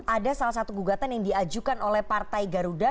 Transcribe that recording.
ada salah satu gugatan yang diajukan oleh partai garuda